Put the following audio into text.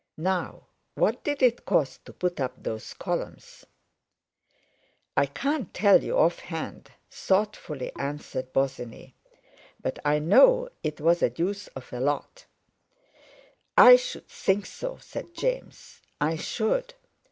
"Now, what did it cost to put up those columns?" "I can't tell you off hand," thoughtfully answered Bosinney, "but I know it was a deuce of a lot!" "I should think so," said James. "I should...."